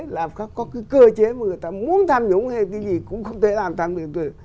là có cái cơ chế mà người ta muốn tham nhũng hay cái gì cũng không thể làm tham nhũng được